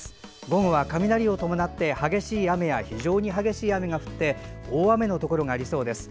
午後は雷を伴って激しい雨や非常に激しい雨が降り大雨のところがありそうです。